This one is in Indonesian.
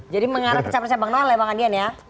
jadi mengarah ke capresnya bang noel ya bang adian ya